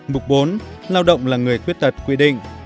mục bốn lao động là người khuyết tật quy định